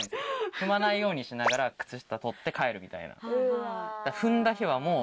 踏まないようにしながら靴下取って帰るみたいな。